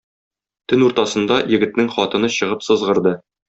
Төн уртасында егетнең хатыны чыгып сызгырды.